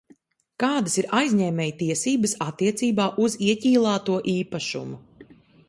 Kādas ir aizņēmēja tiesības attiecībā uz ieķīlāto īpašumu?